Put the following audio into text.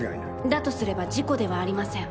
だとすれば事故ではありません。